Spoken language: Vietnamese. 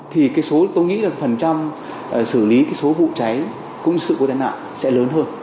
thì tôi nghĩ là phần trăm xử lý cái số vụ cháy cũng như sự cố tai nạn sẽ lớn hơn